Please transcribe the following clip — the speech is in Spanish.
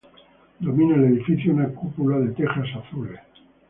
Domina el edificio una cúpula de tejas azules.